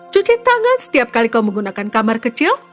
cuci tangan setiap kali kau menggunakan kamar kecil